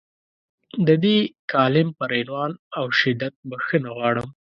د دې کالم پر عنوان او شدت بخښنه غواړم.